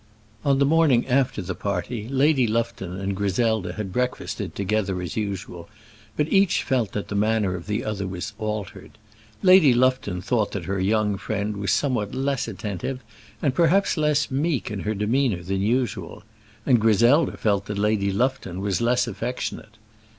On the morning after the party, Lady Lufton and Griselda had breakfasted together as usual, but each felt that the manner of the other was altered. Lady Lufton thought that her young friend was somewhat less attentive, and perhaps less meek in her demeanour, than usual; and Griselda felt that Lady Lufton was less affectionate.